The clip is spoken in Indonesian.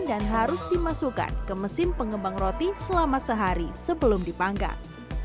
dan harus dimasukkan ke mesin pengembang roti selama sehari sebelum dipanggang